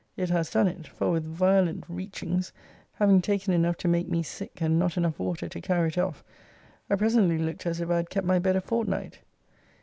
It has done it: for, with violent reachings, having taken enough to make me sick, and not enough water to carry it off, I presently looked as if I had kept my bed a fortnight.